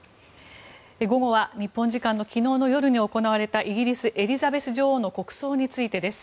午後は日本時間の昨日の夜に行われたイギリス、エリザベス女王の国葬についてです。